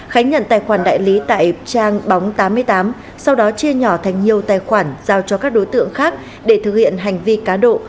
khánh nhận tài khoản đại lý tại trang bóng tám mươi tám sau đó chia nhỏ thành nhiều tài khoản giao cho các đối tượng khác để thực hiện hành vi cá độ